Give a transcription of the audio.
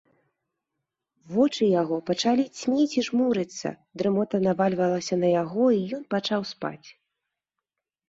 Вочы яго пачалі цьмець і жмурыцца, дрымота навальвалася на яго, і ён пачаў спаць.